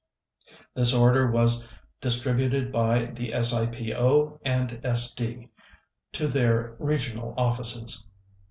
This order was distributed by the SIPO and SD to their regional offices.